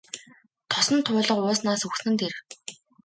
Тосон туулга ууснаас үхсэн нь дээр.